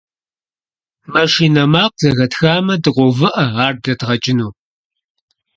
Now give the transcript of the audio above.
Машинэ макъ зэхэтхамэ, дыкъоувыӀэ, ар блэдгъэкӀыну.